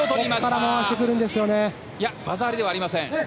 技ありではありません。